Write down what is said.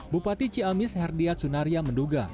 bupati ciamis herdiat sunaria menduga